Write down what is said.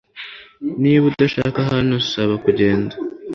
niba udashaka hano, saba kugenda